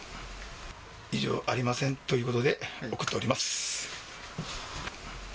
異常ありませんということで、送っております。